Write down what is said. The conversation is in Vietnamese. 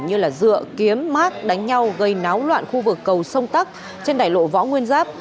như dựa kiếm mát đánh nhau gây náo loạn khu vực cầu sông tắc trên đài lộ võ nguyên giáp